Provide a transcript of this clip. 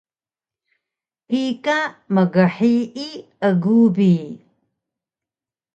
kika mghiyi egu bi